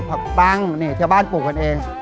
ผักปังนี่ชาวบ้านปลูกกันเอง